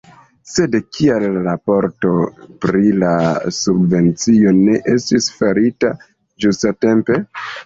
Sed kial la raporto pri la subvencio ne estis farita ĝustatempe?